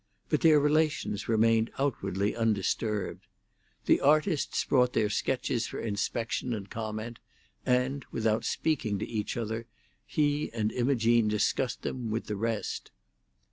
But their relations remained outwardly undisturbed. The artists brought their sketches for inspection and comment, and, without speaking to each other, he and Imogene discussed them with the rest.